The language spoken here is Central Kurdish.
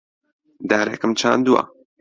دارێکم چاندووە.